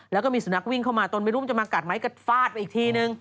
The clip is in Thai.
แล้วก็มีสุนัขวิ่งเข้ามาตนไม่รู้มันจะมากัดไหมกัดฟาดไปอีกทีนึง